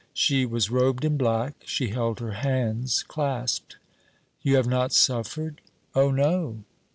She was robed in black. She held her hands clasped. 'You have not suffered?' 'Oh, no.'